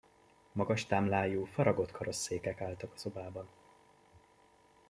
Magas támlájú, faragott karosszékek álltak a szobában.